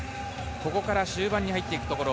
ここから終盤に入っていくところ。